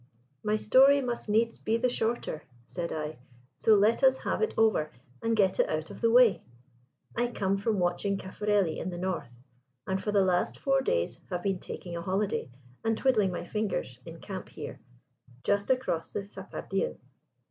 "My story must needs be the shorter," said I; "so let us have it over and get it out of the way. I come from watching Caffarelli in the north, and for the last four days have been taking a holiday and twiddling my fingers in camp here, just across the Zapardiel.